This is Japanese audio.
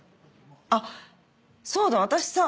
あっそうだ私さ